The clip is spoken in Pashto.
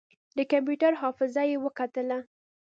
د کمپيوټر حافظه يې وکتله.